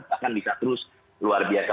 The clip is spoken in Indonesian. bahkan bisa terus luar biasa